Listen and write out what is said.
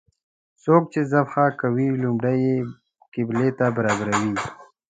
څوک چې ذبحه کوي لومړی یې قبلې ته برابروي.